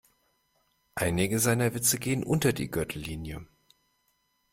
Einige seiner Witze gehen unter die Gürtellinie.